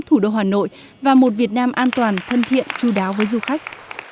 thủ đô hà nội và một việt nam an toàn thân thiện chú đáo với du khách